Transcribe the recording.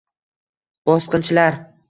Bosqinchilar